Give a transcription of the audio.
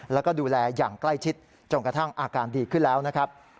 แล้วก็ดูแลอย่างใกล้ชิดจนกระทั่งอาการดีขึ้นแล้วนะครับ